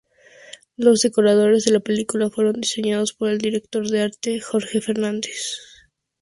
Los decorados de la película fueron diseñados por el director de arte Jorge Fernández.